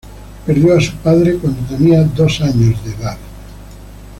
Perdió a su padre cuando tenía dos años de edad.